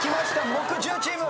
木１０チーム。